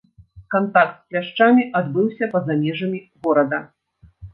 Кантакт з кляшчамі адбыўся па-за межамі горада.